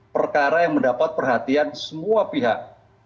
perkara yang mendapat perhatian semua pihak